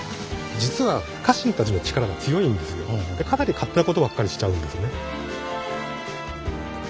かなり勝手なことばっかりしちゃうんですね。